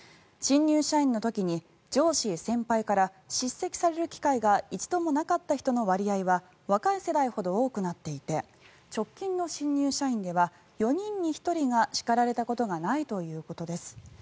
新入社員の時に上司・先輩から叱責される機会が一度もなかった人の割合は若い世代ほど多くなっていて直近の新入社員では４人に１人が叱られたことがないということです。